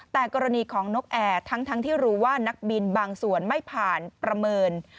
แต่กรณีของนกแอร์ทั้งที่รู้ว่านักบินบางส่วนไม่ผ่านประเมิน